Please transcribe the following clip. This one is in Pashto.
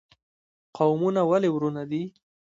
قومونه ولې ورونه دي؟